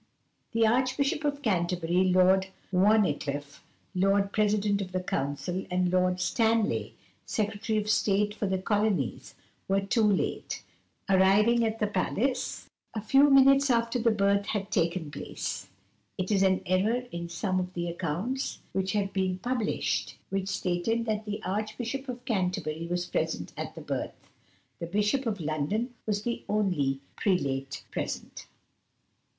The Archbishop of Canterbury, Lord Wharncliffe, Lord President of the Council, and Lord Stanley, Secretary of State for the Colonies, were too late, arriving at the palace a few minutes after the birth had taken place. It is an error in some of the accounts which have been published which stated that the Archbishop of Canterbury was present at the birth. The Bishop of London was the only prelate present.